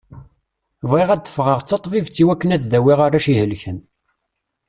Bɣiɣ ad d-fɣeɣ d taṭbibt iwakken ad dawiɣ arrac ihelken.